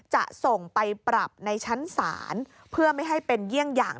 จะส่งไปปรับในชั้นศาลเพื่อไม่ให้เป็นเยี่ยงอย่าง